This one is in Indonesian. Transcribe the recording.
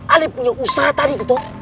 ali punya usaha tadi gitu